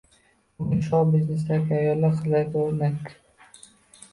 Bugun shou -biznesdagi ayollar qizlarga o'rnak